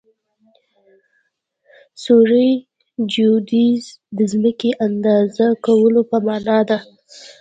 سروي جیودیزي د ځمکې د اندازه کولو په مانا ده